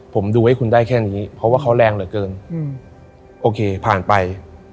ผมดูให้คุณได้แค่นี้เพราะว่าเขาแรงเหลือเกินโอเคผ่านไป